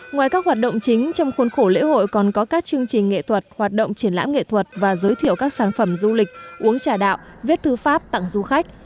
ngoài các hoạt động chính trong khuôn khổ lễ hội còn có các chương trình nghệ thuật hoạt động triển lãm nghệ thuật và giới thiệu các sản phẩm du lịch uống trà đạo viết thư pháp tặng du khách